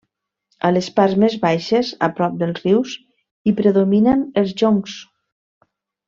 A les parts més baixes a prop dels rius hi predominen els joncs.